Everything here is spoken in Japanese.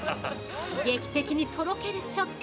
劇的にとろける食感！